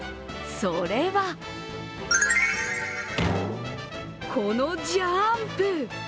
それはこのジャンプ。